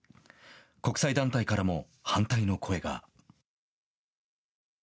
国際団体からも反対の声が。